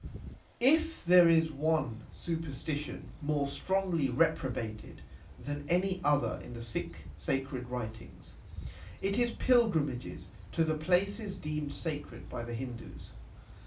If there is one superstition more strongly repro bated than another in the Sikh sacred writings, it is pilgrimages to the places deemed sacred by the Hindus.